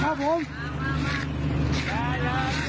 ไม่ต้องฝาก